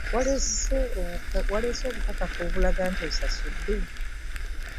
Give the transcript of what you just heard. Waleese obukakafu obulaga nti osasudde?